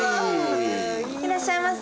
いらっしゃいませ。